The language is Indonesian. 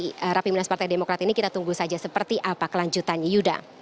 di rapimnas partai demokrat ini kita tunggu saja seperti apa kelanjutannya yuda